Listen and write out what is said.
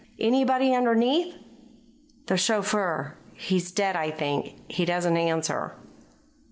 "Anybody underneath?" "The chauffeur. He's dead, I think. He doesn't answer."